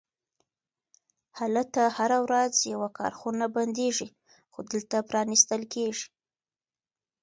هلته هره ورځ یوه کارخونه بندیږي، خو دلته پرانیستل کیږي